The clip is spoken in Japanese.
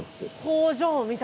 工場みたいな。